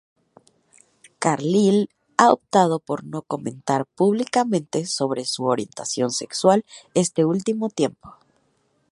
Carlile ha optado por no comentar públicamente sobre su orientación sexual este último tiempo.